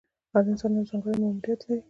هر انسان یو ځانګړی ماموریت لري.